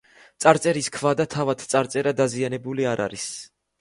წარწერის ქვა და თავად წარწერა დაზიანებული არ არის.